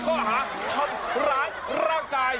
ข้ออาหารความร้ายร่างกาย